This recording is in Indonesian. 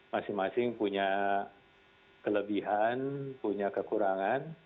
masing masing punya kelebihan punya kekurangan